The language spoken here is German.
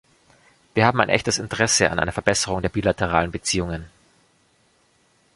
Wir haben ein echtes Interesse an einer Verbesserung der bilateralen Beziehungen.